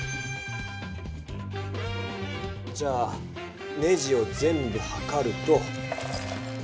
じゃあネジを全部はかると。